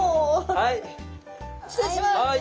はい。